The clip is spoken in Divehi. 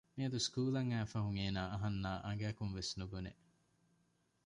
މިޔަދު ސްކޫލަށް އައިފަހުން އޭނާ އަހަންނާ އަނގައަކުން ވެސް ނުބުނެ